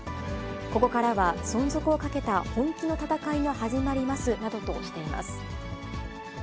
ここからは存続をかけた本気の戦いが始まりますなどとしています。